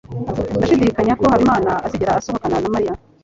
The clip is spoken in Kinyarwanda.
Ndashidikanya ko Habimana azigera asohokana na Mariya.